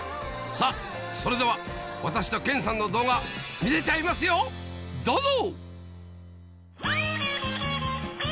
さぁそれでは私と研さんの動画見せちゃいますよどうぞ！